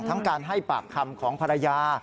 ทั้งการให้ปากคำของภรรยา